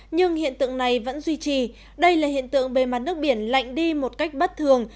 nhưng hiện tượng này vẫn duy trì đây là hiện tượng bề mặt nước biển lạnh đi một cách bất thường